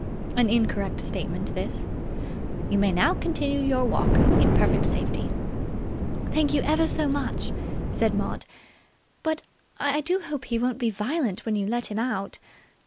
An incorrect statement this. "You may now continue your walk in perfect safety." "Thank you ever so much," said Maud. "But I do hope he won't be violent when you let him out."